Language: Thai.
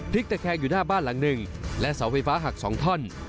ตะแคงอยู่หน้าบ้านหลังหนึ่งและเสาไฟฟ้าหัก๒ท่อน